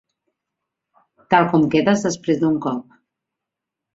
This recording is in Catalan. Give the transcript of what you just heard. Tal com quedes després d'un cop.